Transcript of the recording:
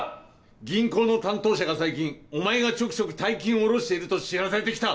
銀行の担当者が最近お前がちょくちょく大金を下ろしていると知らせてきた。